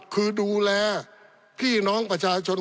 คือดูแลพี่น้องประชาชน